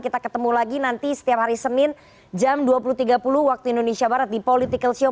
kita ketemu lagi nanti setiap hari senin jam dua puluh tiga puluh waktu indonesia barat di political show